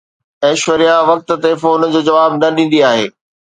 ايشوريا وقت تي فون جو جواب نه ڏيندي آهي